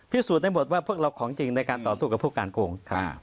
สูจนได้หมดว่าพวกเราของจริงในการต่อสู้กับพวกการโกง